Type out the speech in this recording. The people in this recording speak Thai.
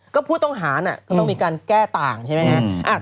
ก็ผู้ต้องหาน่ะก็ต้องมีการแก้ต่างใช่ไหมฮะ